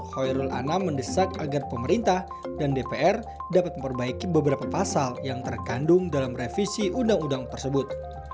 hoirul anam mendesak agar pemerintah dan dpr dapat memperbaiki beberapa pasal yang terkandung dalam revisi undang undang tersebut